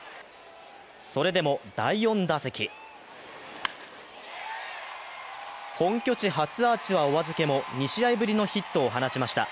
それでも第４打席本拠地初アーチはお預けも、２試合ぶりのヒットを放ちました。